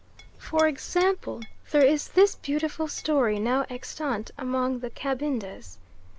For example, there is this beautiful story now extant among the Cabindas.